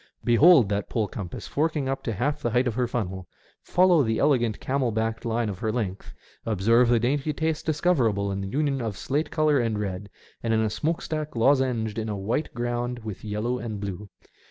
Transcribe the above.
Behold that pole compass forking up to half the height of her funnel ; follow the elegant camel backed line of her length ; observe the dainty taste discoverable in the union of slate colour and red, and in a smoke stack lozenged on a white ground with yellow and blue.